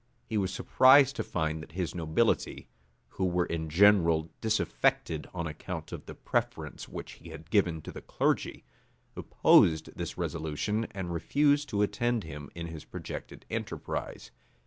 He was surprised to find that his nobility, who were in general disaffected on account of the preference which he had given to the clergy, opposed this resolution, and refused to attend him in his projected enterprise.